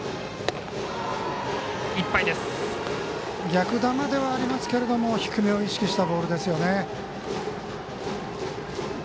逆球ではありましたけども低めを意識したボールでしたね。